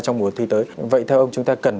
trong mùa thi tới vậy theo ông chúng ta cần